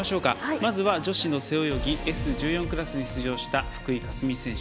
まずは女子の背泳ぎＳ１４クラスに出場した福井香澄選手。